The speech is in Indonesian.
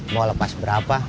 mau lepas berapa